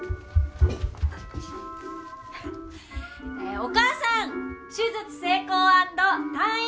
お母さん手術成功＆退院。